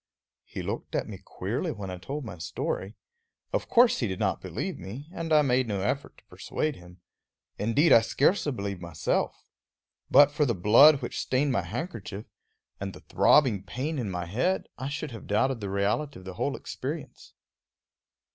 He looked at me queerly when I told my story. Of course he did not believe me, and I made no effort to persuade him. Indeed, I scarcely believed myself. But for the blood which stained my handkerchief, and the throbbing pain in my head, I should have doubted the reality of the whole experience.